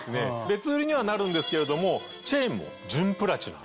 別売りにはなるんですけれどもチェーンも純プラチナ。